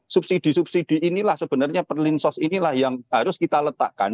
subsidi subsidi inilah sebenarnya perlinsos inilah yang harus kita letakkan